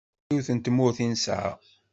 Yiwet n tmurt i nesɛa.